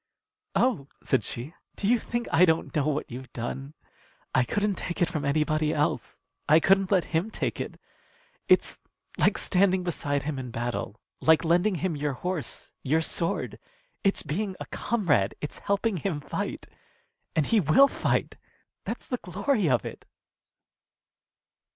"Oh!" said she, "do you think I don't know what you've done? I couldn't take it from anybody else. I couldn't let him take it. It's like standing beside him in battle; like lending him your horse, your sword. It's being a comrade. It's helping him fight. And he will fight. That's the glory of it!"